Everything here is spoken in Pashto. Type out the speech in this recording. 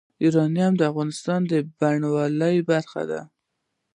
یورانیم د افغانستان د بڼوالۍ برخه ده.